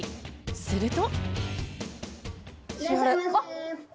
すると。